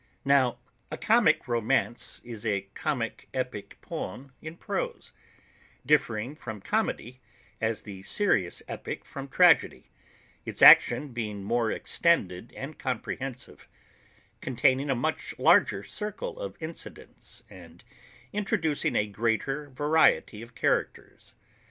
Now, a comic romance is a comic epic poem in prose; differing from comedy, as the serious epic from tragedy: its action being more extended and comprehensive; containing a much larger circle of incidents, and introducing a greater variety of characters.